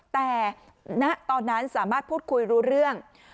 แต่ณตอนนั้นสามารถพูดคุยรู้เรื่อง